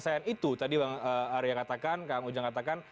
itu tadi bang arya katakan